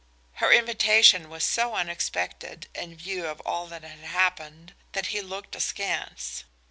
Her invitation was so unexpected, in view of all that had happened, that he looked askance.